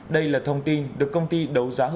đây là thông tin được công ty đấu giá hợp gia